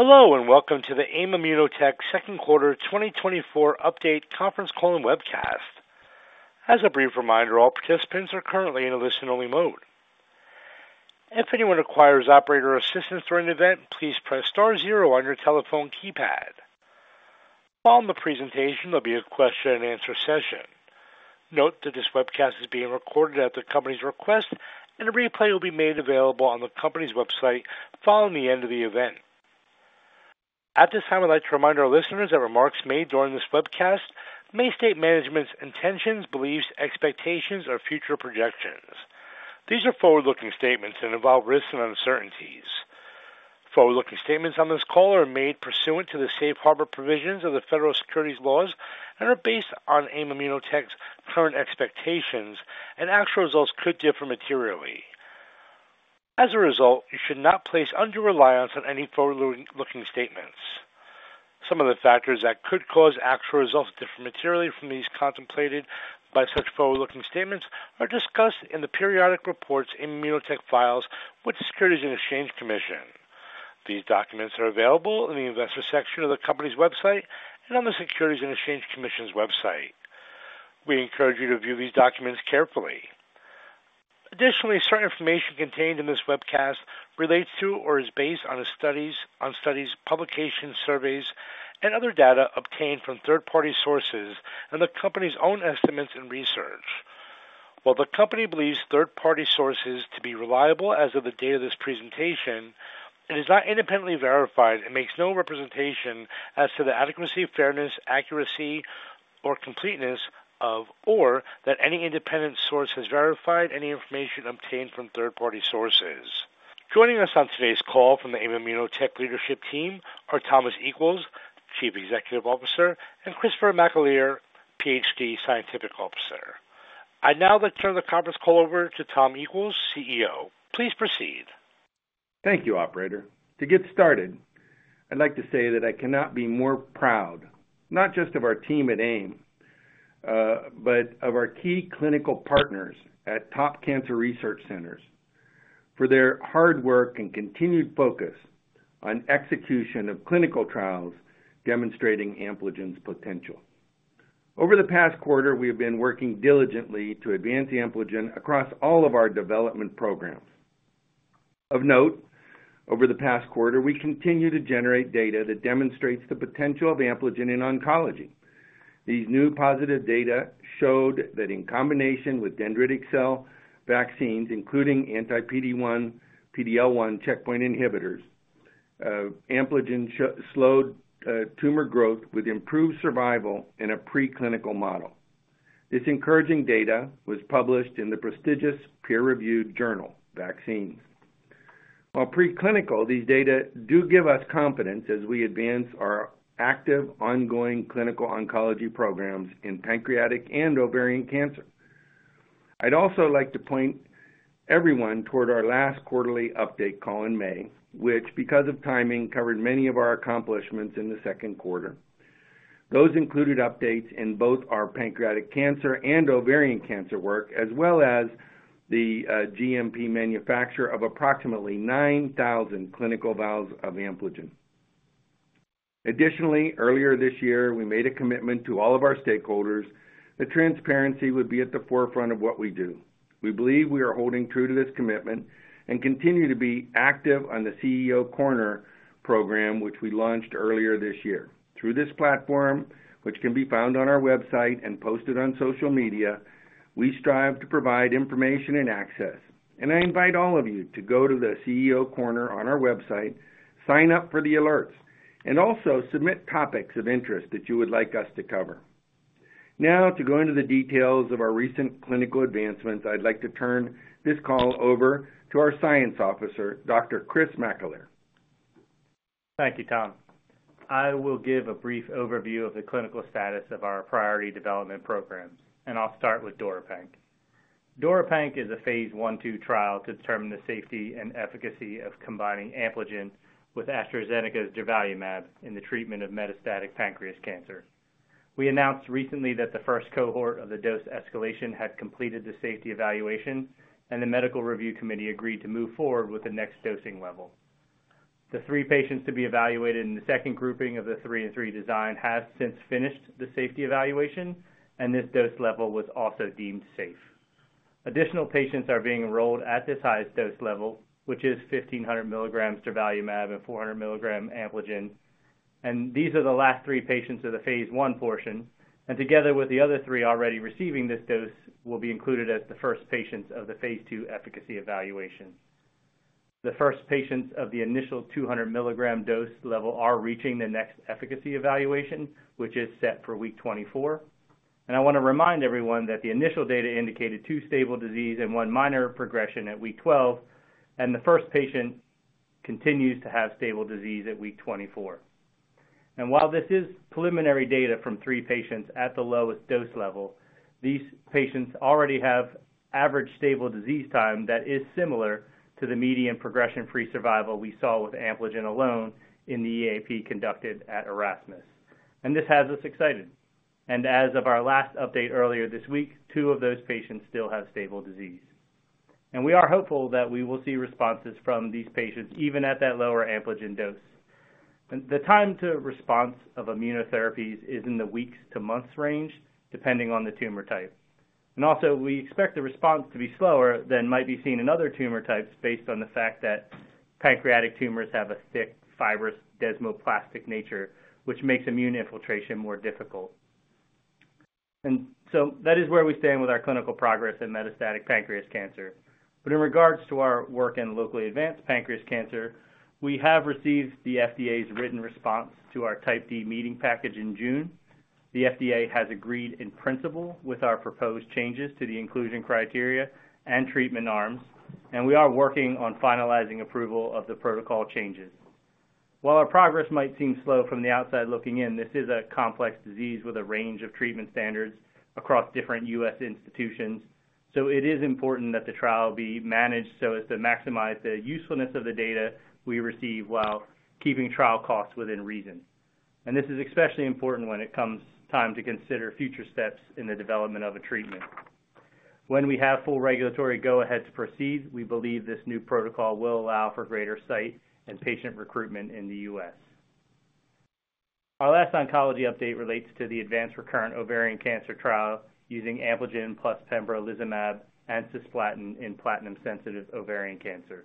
Hello, and welcome to the AIM ImmunoTech second quarter 2024 update conference call and webcast. As a brief reminder, all participants are currently in a listen-only mode. If anyone requires operator assistance during the event, please press star zero on your telephone keypad. Following the presentation, there'll be a question-and-answer session. Note that this webcast is being recorded at the company's request, and a replay will be made available on the company's website following the end of the event. At this time, I'd like to remind our listeners that remarks made during this webcast may state management's intentions, beliefs, expectations, or future projections. These are forward-looking statements and involve risks and uncertainties. Forward-looking statements on this call are made pursuant to the safe harbor provisions of the federal securities laws and are based on AIM ImmunoTech's current expectations, and actual results could differ materially. As a result, you should not place undue reliance on any forward-looking statements. Some of the factors that could cause actual results to differ materially from these contemplated by such forward-looking statements are discussed in the periodic reports AIM ImmunoTech files with the Securities and Exchange Commission. These documents are available in the Investor section of the company's website and on the Securities and Exchange Commission's website. We encourage you to view these documents carefully. Additionally, certain information contained in this webcast relates to or is based on the studies, publications, surveys, and other data obtained from third-party sources and the company's own estimates and research. While the company believes third-party sources to be reliable as of the date of this presentation, it is not independently verified and makes no representation as to the adequacy, fairness, accuracy, or completeness of, or that any independent source has verified any information obtained from third-party sources. Joining us on today's call from the AIM ImmunoTech leadership team are Thomas Equels, Chief Executive Officer, and Christopher McAleer, PhD, Scientific Officer. I'd now like to turn the conference call over to Tom Equels, CEO. Please proceed. Thank you, operator. To get started, I'd like to say that I cannot be more proud, not just of our team at AIM, but of our key clinical partners at Top Cancer Research Centers for their hard work and continued focus on execution of clinical trials demonstrating Ampligen's potential. Over the past quarter, we have been working diligently to advance Ampligen across all of our development programs. Of note, over the past quarter, we continue to generate data that demonstrates the potential of Ampligen in oncology. These new positive data showed that in combination with dendritic cell vaccines, including anti-PD-1, PD-L1 checkpoint inhibitors, Ampligen slowed tumor growth with improved survival in a preclinical model. This encouraging data was published in the prestigious peer-reviewed journal vaccines. While preclinical, these data do give us confidence as we advance our active, ongoing clinical oncology programs in pancreatic and ovarian cancer. I'd also like to point everyone toward our last quarterly update call in May, which, because of timing, covered many of our accomplishments in the second quarter. Those included updates in both our pancreatic cancer and ovarian cancer work, as well as the GMP manufacture of approximately 9,000 clinical vials of Ampligen. Additionally, earlier this year, we made a commitment to all of our stakeholders that transparency would be at the forefront of what we do. We believe we are holding true to this commitment and continue to be active on the CEO Corner program, which we launched earlier this year. Through this platform, which can be found on our website and posted on social media, we strive to provide information and access, and I invite all of you to go to the CEO Corner on our website, sign up for the alerts, and also submit topics of interest that you would like us to cover. Now, to go into the details of our recent clinical advancements, I'd like to turn this call over to our Science Officer, Dr. Chris McAleer. Thank you, Tom. I will give a brief overview of the clinical status of our priority development programs, and I'll start with DURIPANC. DURIPANC is a phase I/II trial to determine the safety and efficacy of combining Ampligen with AstraZeneca's durvalumab in the treatment of metastatic pancreatic cancer. We announced recently that the first cohort of the dose escalation had completed the safety evaluation, and the Medical Review Committee agreed to move forward with the next dosing level. The three patients to be evaluated in the second grouping of the three and three design have since finished the safety evaluation, and this dose level was also deemed safe. Additional patients are being enrolled at this highest dose level, which is 1500 milligrams durvalumab and 400 milligram Ampligen, and these are the last three patients of the phase I portion, and together with the other three already receiving this dose, will be included as the first patients of the phase II efficacy evaluation. The first patients of the initial two hundred milligram dose level are reaching the next efficacy evaluation, which is set for week 24. I want to remind everyone that the initial data indicated two stable disease and one minor progression at week twelve, and the first patient continues to have stable disease at week 24. While this is preliminary data from three patients at the lowest dose level, these patients already have average stable disease time that is similar to the median progression-free survival we saw with Ampligen alone in the EAP conducted at Erasmus. This has us excited. As of our last update earlier this week, two of those patients still have stable disease. We are hopeful that we will see responses from these patients, even at that lower Ampligen dose. The time to response of immunotherapies is in the weeks to months range, depending on the tumor type. Also, we expect the response to be slower than might be seen in other tumor types based on the fact that pancreatic tumors have a thick, fibrous desmoplastic nature, which makes immune infiltration more difficult. That is where we stand with our clinical progress in metastatic pancreatic cancer. But in regards to our work in locally advanced pancreatic cancer, we have received the FDA's written response to our Type D meeting package in June. The FDA has agreed in principle with our proposed changes to the inclusion criteria and treatment arms, and we are working on finalizing approval of the protocol changes. While our progress might seem slow from the outside looking in, this is a complex disease with a range of treatment standards across different U.S. institutions, so it is important that the trial be managed so as to maximize the usefulness of the data we receive, while keeping trial costs within reason. This is especially important when it comes time to consider future steps in the development of a treatment. When we have full regulatory go-ahead to proceed, we believe this new protocol will allow for greater site and patient recruitment in the U.S. Our last oncology update relates to the advanced recurrent ovarian cancer trial using Ampligen plus pembrolizumab and cisplatin in platinum-sensitive ovarian cancer.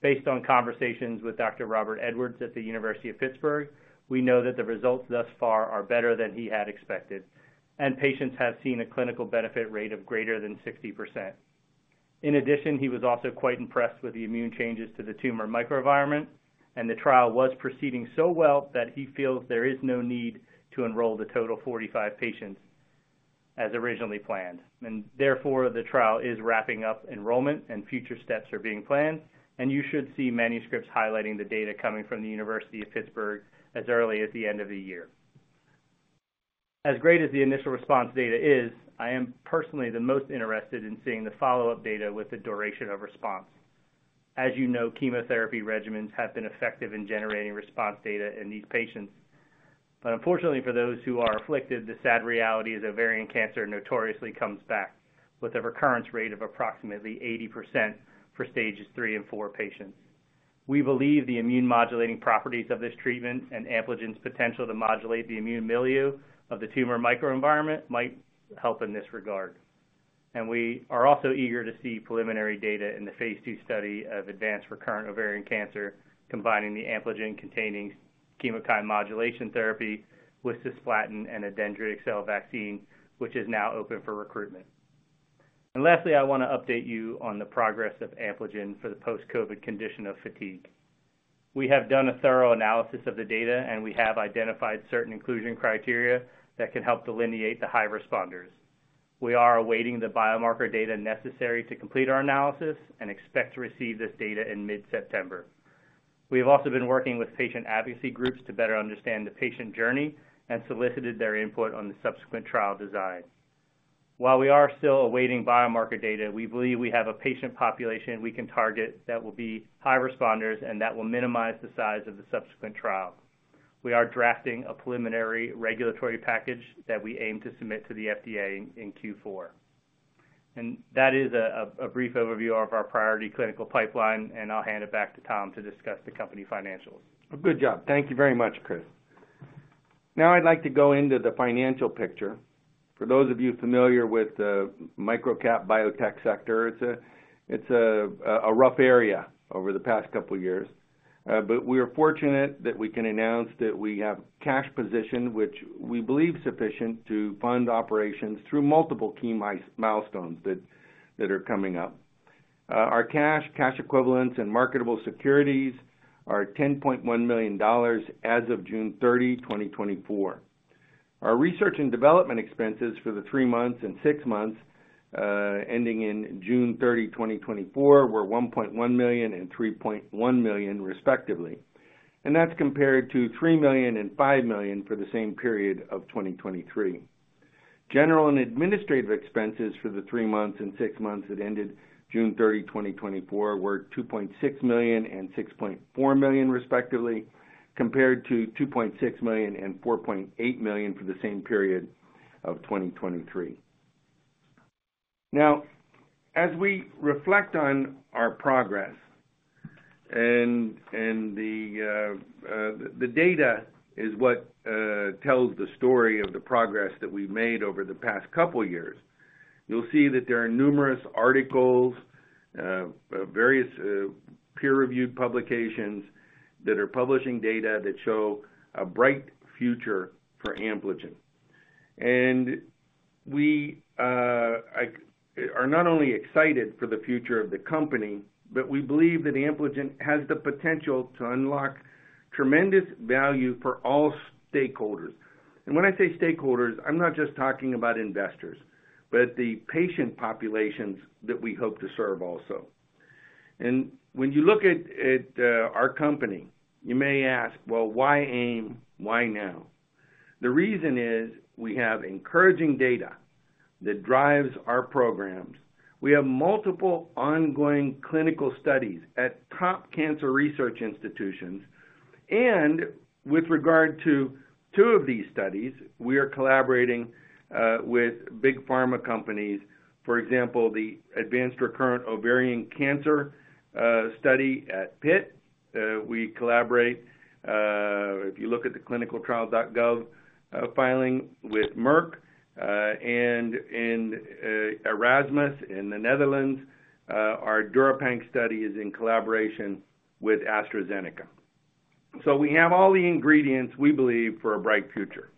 Based on conversations with Dr. Robert Edwards at the University of Pittsburgh, we know that the results thus far are better than he had expected, and patients have seen a clinical benefit rate of greater than 60%. In addition, he was also quite impressed with the immune changes to the tumor microenvironment, and the trial was proceeding so well that he feels there is no need to enroll the total 45 patients as originally planned. And therefore, the trial is wrapping up enrollment and future steps are being planned, and you should see manuscripts highlighting the data coming from the University of Pittsburgh as early as the end of the year. As great as the initial response data is, I am personally the most interested in seeing the follow-up data with the duration of response. As you know, chemotherapy regimens have been effective in generating response data in these patients. But unfortunately for those who are afflicted, the sad reality is ovarian cancer notoriously comes back with a recurrence rate of approximately 80% for Stages III and IV patients. We believe the immune-modulating properties of this treatment and Ampligen's potential to modulate the immune milieu of the tumor microenvironment might help in this regard. We are also eager to see preliminary data in the phase II study of advanced recurrent ovarian cancer, combining the Ampligen-containing chemokine modulation therapy with cisplatin and a dendritic cell vaccine, which is now open for recruitment. Lastly, I want to update you on the progress of Ampligen for the post-COVID condition of fatigue. We have done a thorough analysis of the data, and we have identified certain inclusion criteria that can help delineate the high responders. We are awaiting the biomarker data necessary to complete our analysis and expect to receive this data in mid-September. We have also been working with patient advocacy groups to better understand the patient journey and solicited their input on the subsequent trial design. While we are still awaiting biomarker data, we believe we have a patient population we can target that will be high responders and that will minimize the size of the subsequent trial. We are drafting a preliminary regulatory package that we aim to submit to the FDA in Q4. And that is a brief overview of our priority clinical pipeline, and I'll hand it back to Tom to discuss the company financials. Good job. Thank you very much, Chris. Now I'd like to go into the financial picture. For those of you familiar with the micro-cap biotech sector, it's a rough area over the past couple of years. But we are fortunate that we can announce that we have cash position, which we believe sufficient to fund operations through multiple key milestones that are coming up. Our cash equivalents and marketable securities are $10.1 million as of June 30, 2024. Our research and development expenses for the three months and six months ending in June 30, 2024, were $1.1 million and $3.1 million, respectively, and that's compared to $3 million and $5 million for the same period of 2023. General and administrative expenses for the three months and six months that ended June 30, 2024, were $2.6 million and $6.4 million, respectively, compared to $2.6 million and $4.8 million for the same period of 2023. Now, as we reflect on our progress, and the data is what tells the story of the progress that we've made over the past couple of years, you'll see that there are numerous articles, various peer-reviewed publications that are publishing data that show a bright future for Ampligen. And we are not only excited for the future of the company, but we believe that Ampligen has the potential to unlock tremendous value for all stakeholders. When I say stakeholders, I'm not just talking about investors, but the patient populations that we hope to serve also. When you look at our company, you may ask: Well, why AIM? Why now? The reason is, we have encouraging data that drives our programs. We have multiple ongoing clinical studies at top cancer research institutions. And with regard to two of these studies, we are collaborating with big pharma companies. For example, the advanced recurrent ovarian cancer study at Pitt. We collaborate, if you look at the ClinicalTrials.gov filing with Merck, and in Erasmus in the Netherlands, our DURIPANC study is in collaboration with AstraZeneca. So we have all the ingredients, we believe, for a bright future.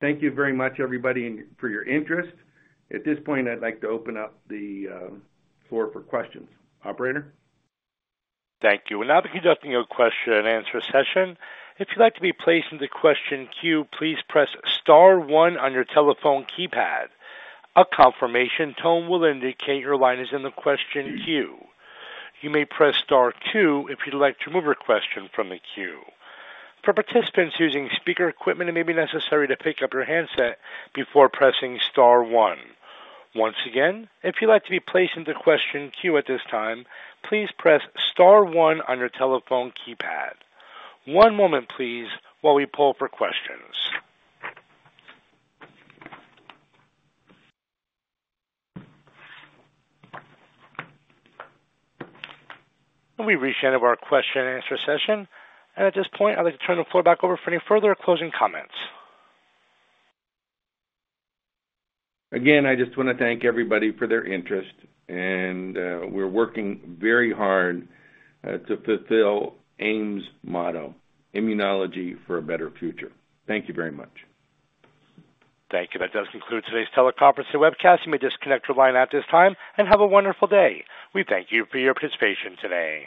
Thank you very much, everybody, for your interest. At this point, I'd like to open up the floor for questions. Operator? Thank you. We're now conducting a question-and-answer session. If you'd like to be placed in the question queue, please press star one on your telephone keypad. A confirmation tone will indicate your line is in the question queue. You may press star two if you'd like to remove your question from the queue. For participants using speaker equipment, it may be necessary to pick up your handset before pressing star one. Once again, if you'd like to be placed in the question queue at this time, please press star one on your telephone keypad. One moment, please, while we pull for questions. We've reached the end of our question-and-answer session, and at this point, I'd like to turn the floor back over for any further closing comments. Again, I just want to thank everybody for their interest, and, we're working very hard, to fulfill AIM's motto, Immunology for a Better Future. Thank you very much. Thank you. That does conclude today's teleconference and webcast. You may disconnect your line at this time, and have a wonderful day. We thank you for your participation today.